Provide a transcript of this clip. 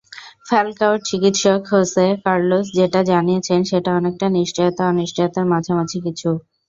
ফ্যালকাওর চিকিত্সক Jose Carlos যেটি জানিয়েছেন সেটি অনেকটা নিশ্চয়তা-অনিশ্চয়তার মাঝামাঝি কিছু।